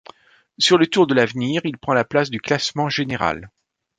Sur le Tour de l'Avenir, il prend la place du classement général.